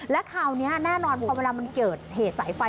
และคราวนี้แน่นอนพอเวลามันเกิดเหตุสายไฟ